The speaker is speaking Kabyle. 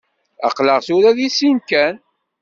Aql-aɣ tura deg sin kan.